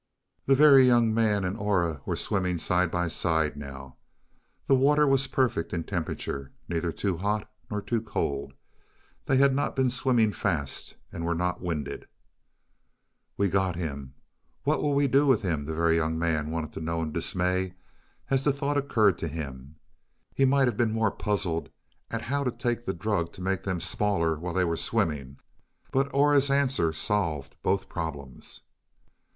The Very Young Man and Aura were swimming side by side, now. The water was perfect in temperature neither too hot nor too cold; they had not been swimming fast, and were not winded. "We've got him, what'll we do with him," the Very Young Man wanted to know in dismay, as the thought occurred to him. He might have been more puzzled at how to take the drug to make them smaller while they were swimming, but Aura's answer solved both problems.